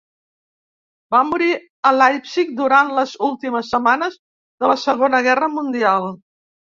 Va morir a Leipzig durant les últimes setmanes de la Segona Guerra Mundial.